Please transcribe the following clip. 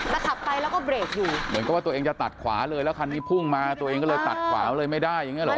เหมือนก็ว่าตัวเองจะตัดขวาเลยแล้วคันนี้พุ่งมาตัวเองก็เลยตัดขวาเลยไม่ได้อย่างเงี้ยเหรอ